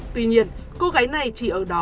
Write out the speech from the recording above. tuy nhiên cô gái này chỉ ở đó